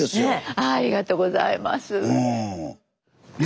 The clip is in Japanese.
ありがとうございます。